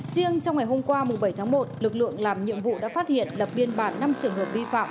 riêng trong ngày hôm qua bảy tháng một lực lượng làm nhiệm vụ đã phát hiện lập biên bản năm trường hợp vi phạm